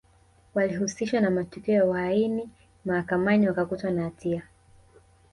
Walihusishwa na matukio ya uhaini Mahakamani wakakutwa na hatia